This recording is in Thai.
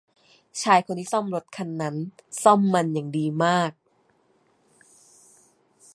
ชายคนที่ซ่อมรถคันนั้นซ่อมมันอย่างดีมาก